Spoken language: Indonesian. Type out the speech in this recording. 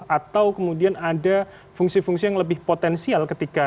atau kemudian ada fungsi fungsi yang lebih potensial ketika